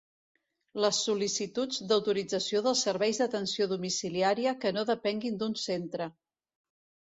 Les sol·licituds d'autorització dels serveis d'atenció domiciliària que no depenguin d'un centre.